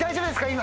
今。